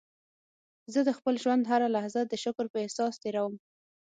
زه د خپل ژوند هره لحظه د شکر په احساس تېرووم.